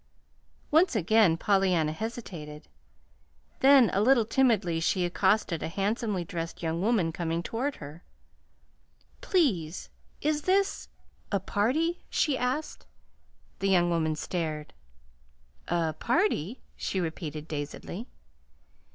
Once again Pollyanna hesitated; then, a little timidly, she accosted a handsomely dressed young woman coming toward her. "Please, is this a party?" she asked. The young woman stared. "A party!" she repeated dazedly.